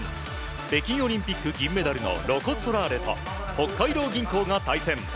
北京オリンピック銀メダルのロコ・ソラーレと北海道銀行が対戦。